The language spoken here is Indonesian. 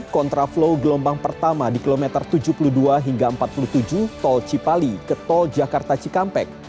kontraflow gelombang pertama di kilometer tujuh puluh dua hingga empat puluh tujuh tol cipali ke tol jakarta cikampek